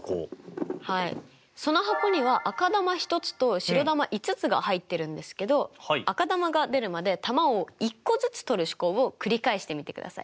その箱には赤球１つと白球５つが入ってるんですけど赤球が出るまで球を１個ずつ取る試行をくり返してみてください。